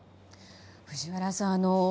藤原さん